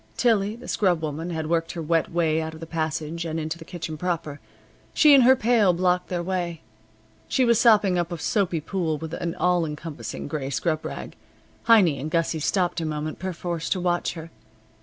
Tillie, the scrubwoman, had worked her wet way out of the passage and into the kitchen proper. She and her pail blocked their way. She was sopping up a soapy pool with an all encompassing gray scrub rag. Heiny and Gussie stopped a moment perforce to watch her.